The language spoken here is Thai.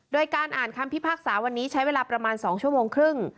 โดยการอ่านคำพิพากษาวันนี้ใช้เวลาประมาณ๒ชั่วโมงครึ่ง